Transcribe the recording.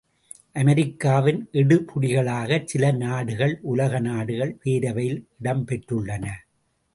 அமெரிக்காவின் எடுபிடிகளாகச் சில நாடுகள் உலக நாடுகள் பேரவையில் இடம் பெற்றுள்ளன!